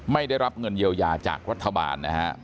ไม่ได้รับเงินเยียวยาจากรัฐบาลนะฮะ